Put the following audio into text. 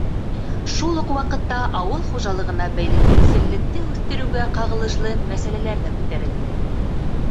Шул уҡ ваҡытта ауыл хужалығына бәйле йүнселлекте үҫтереүгә ҡағылышлы мәсьәләләр ҙә күтәрелде.